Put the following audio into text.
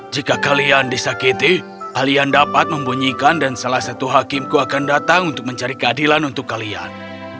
jika kalian disakiti kalian dapat membunyikan dan salah satu hakimku akan datang untuk mencari keadilan untuk kalian